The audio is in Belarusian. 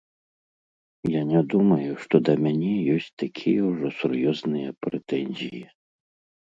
Я не думаю, што да мяне ёсць такія ўжо сур'ёзныя прэтэнзіі.